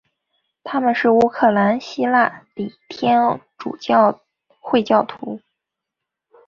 他们是乌克兰希腊礼天主教会教徒。